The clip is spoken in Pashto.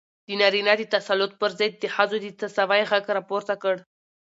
د نارينه د تسلط پر ضد د ښځو د تساوۍ غږ راپورته کړ.